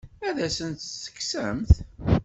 Ad asen-tt-tekksemt?